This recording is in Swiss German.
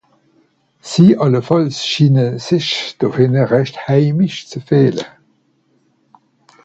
Sie àllefàlls schiine sich do hìnne rächt heimisch ze fìehle.